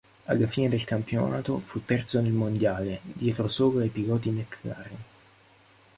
Alla fine del campionato fu terzo nel mondiale, dietro solo ai piloti Mclaren.